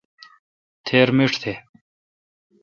تھیر مݭ تھ۔